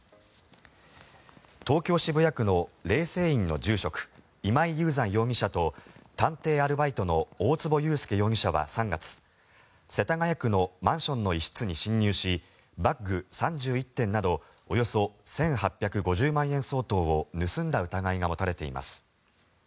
東京・渋谷区の霊泉院の住職今井雄山容疑者と探偵アルバイトの大坪裕介容疑者は３月世田谷区のマンションの一室に侵入しバッグ３１点などおよそ１８５０万円相当を盗んだ疑いが持たれています。